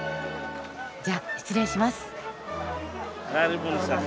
じゃあ失礼します。